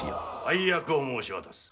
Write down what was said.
配役を申し渡す。